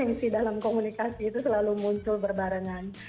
isi dalam komunikasi itu selalu muncul berbarengan